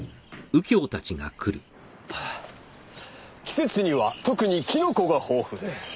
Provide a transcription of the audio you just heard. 「季節には特にキノコが豊富です」